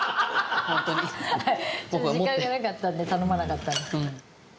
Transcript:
ちょっと時間がなかったんで頼まなかったんです。